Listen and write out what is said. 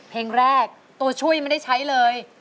เพลงแรกตัวช่วยไม่ได้ใช้เลย